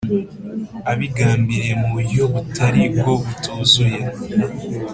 Abigambiriye mu buryo butari bwo butuzuye